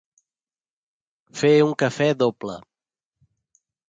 Fer un cafè doble.